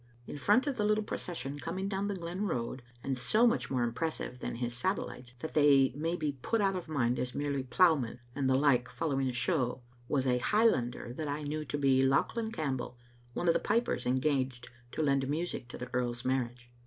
In front of the little procession coining down the glen road, and so much more impres sive than his satellites that they may be put of mind as merely ploughman and the like following a show, was a Highlander that I knew to be Lauchlan Campbell, one of the pipers engaged to lend music to the earl's marriage.